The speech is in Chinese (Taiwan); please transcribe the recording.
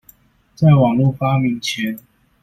在網路發明前